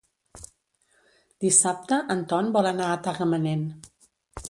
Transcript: Dissabte en Ton vol anar a Tagamanent.